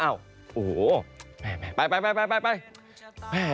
อ้าวโอ้โหไป